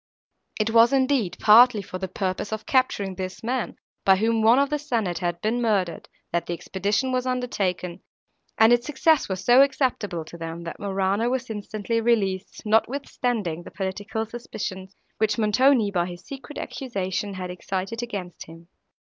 It was, indeed, partly for the purpose of capturing this man, by whom one of the senate had been murdered, that the expedition was undertaken, and its success was so acceptable to them, that Morano was instantly released, notwithstanding the political suspicions, which Montoni, by his secret accusation, had excited against him.